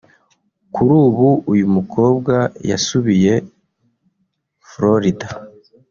Kuri ubu uyu mukobwa yasubiye Florida